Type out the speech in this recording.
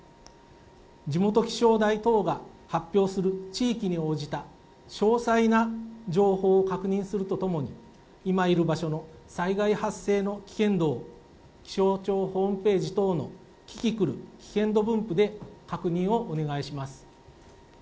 地元気象台等が発表する地域に応じた詳細な情報を確認するとともに、今いる場所の災害発生の危険度を、気象庁ホームページ等のキキクル危険度分布で確認をお願いします。